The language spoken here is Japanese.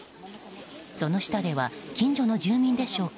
その下では近所の住民でしょうか